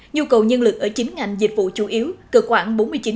nhu cầu nhân lực ở chín ngành dịch vụ chủ yếu cự khoảng bốn mươi chín ba trăm linh năm mươi